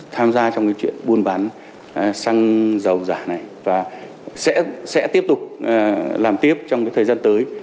tham gia trong cái chuyện buôn bán xăng dầu giả này và sẽ tiếp tục làm tiếp trong thời gian tới